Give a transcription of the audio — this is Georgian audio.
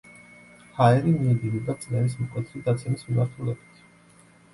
ჰაერი მიედინება წნევის მკვეთრი დაცემის მიმართულებით.